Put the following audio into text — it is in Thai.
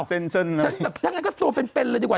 ฉันแบบถ้างั้นก็ตัวเป็นเลยดีกว่า